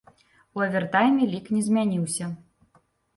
У авертайме лік не змяніўся.